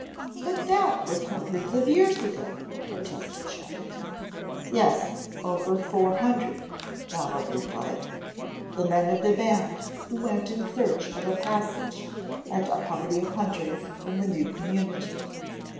"But that was hundreds of years ago," protested Jim. "Yes, over four hundred," Donald replied. "The men of the band who went in search of a passage met a party of hunters from the new community.